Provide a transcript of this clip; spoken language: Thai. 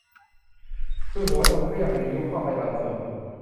คือหัวนมเรียบหรือยุบเข้าไปบางส่วน